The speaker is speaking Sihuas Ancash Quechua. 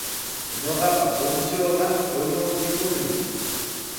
Ñuqapa punchuuqa quñuuchikunmi.